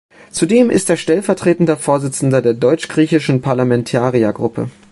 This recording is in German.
Zudem ist er stellvertretender Vorsitzender der Deutsch-Griechischen Parlamentariergruppe.